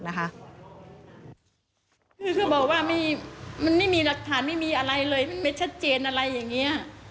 คือบอกว่ามันไม่มีหลักฐานไม่มีอะไรเลยไม่ชัดเจนอะไรอย่างนี้